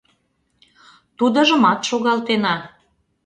Тудыжымат шогалтена.